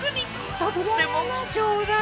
とっても貴重だ。